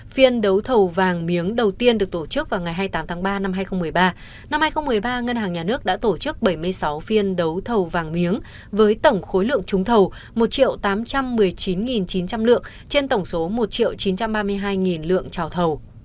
phiên đấu thầu vàng miếng đầu tiên được tổ chức vào ngày hai mươi tám tháng ba năm hai nghìn một mươi ba năm hai nghìn một mươi ba ngân hàng nhà nước đã tổ chức bảy mươi sáu phiên đấu thầu vàng miếng với tổng khối lượng trúng thầu một tám trăm một mươi chín chín trăm linh lượng trên tổng số một chín trăm ba mươi hai lượng trào thầu